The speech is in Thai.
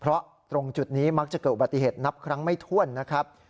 เพราะตรงจุดนี้มักจะเกิดอุบัติเหตุนับครั้งไม่ถ้วนนะครับ